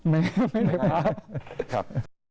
ไม่ไม่ได้พา